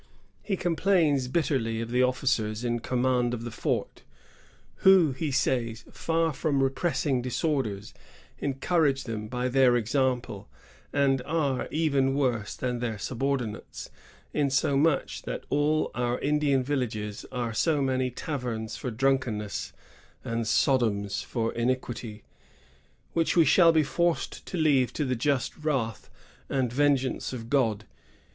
He complains bitterly of the officers in command of the fort, who, he says, far from repressing disorders, encourage them by their example, and are even worse than their subordinates, insomuch that all our Indian villages are so many taverns for drunkenness and Sodoms for iniquity, which we shall be forced to leave to the just wrath and vengeance of God."